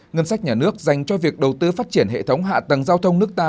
ngân sách nhà nước dành cho việc đầu tư phát triển hệ thống hạ tầng giao thông nước ta